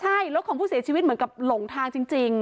ใช่รถของผู้เสียชีวิตเหมือนกับหลงทางจริง